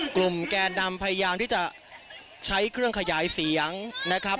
แกนนำพยายามที่จะใช้เครื่องขยายเสียงนะครับ